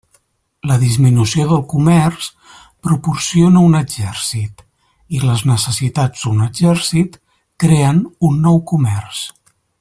La disminució del comerç proporciona un exèrcit i les necessitats d'un exèrcit creen un nou comerç.